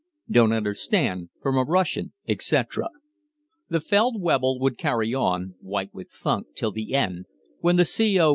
(Don't understand) from a Russian, etc. The Feldwebel would carry on, white with funk, till the end, when the C.O.